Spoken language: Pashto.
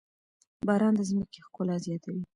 باران د ځمکې ښکلا زياتوي.